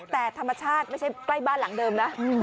แต่ธรรมชาติไม่ใช่ใกล้บ้านหลังเดิมนะ